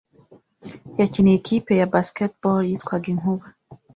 yakiniye ikipe ya basketball yitwaga Inkuba,